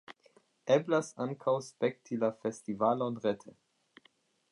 Eblas ankaŭ spekti la festivalon rete.